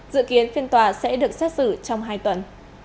dự kiến phiên tòa sẽ được xét xử trong hai tuần